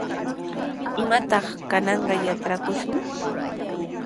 ¿Imatataq kananqa yatrakushun?